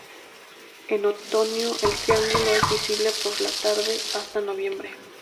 En otoño el triángulo es visible por la tarde hasta noviembre.